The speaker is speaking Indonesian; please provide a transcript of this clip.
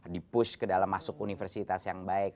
dipush ke dalam masuk universitas yang baik